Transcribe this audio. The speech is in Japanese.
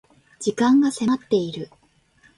時間が迫っている